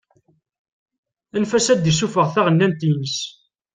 Anef-as ad d-isuffeɣ taɣennant-ines.